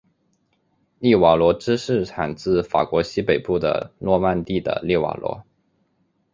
利瓦罗芝士产自法国西北部的诺曼第的利瓦罗。